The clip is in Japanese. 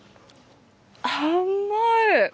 甘い。